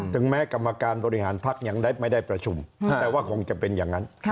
แม้กรรมการบริหารพักยังไม่ได้ประชุมแต่ว่าคงจะเป็นอย่างนั้น